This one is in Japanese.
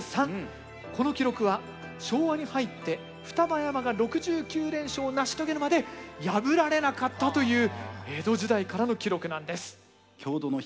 この記録は昭和に入って双葉山が６９連勝を成し遂げるまで破られなかったという江戸時代からの記録なんです。